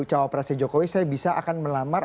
cowok presnya jokowi saya bisa akan melamar